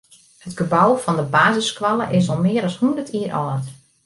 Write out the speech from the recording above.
It gebou fan de basisskoalle is al mear as hûndert jier âld.